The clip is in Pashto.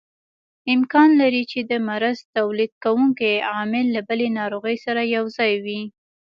امکان لري چې د مرض تولید کوونکی عامل له بلې ناروغۍ سره یوځای وي.